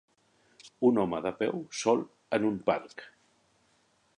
Un home de peu sol en un parc.